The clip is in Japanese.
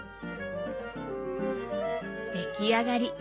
出来上がり。